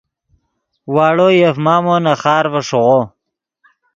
واڑو یف مامو نے خارڤے ݰیغو